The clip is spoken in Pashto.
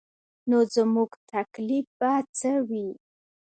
نو زموږ تکلیف به څه وي.